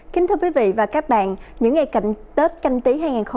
kính thưa quý vị và các bạn những ngày cận tết canh tí hai nghìn hai mươi